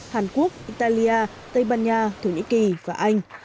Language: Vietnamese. hàn quốc italia tây ban nha thổ nhĩ kỳ và anh